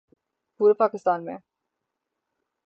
پورے پاکستان میں